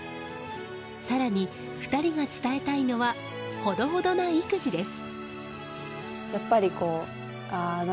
更に２人が伝えたいのはほどほどな育児です。